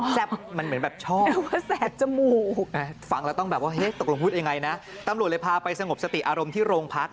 แซ่บมันเหมือนแบบชอบฟังแล้วต้องแบบว่าตกลงพูดยังไงนะตำรวจเลยพาไปสงบสติอารมณ์ที่โรงพัก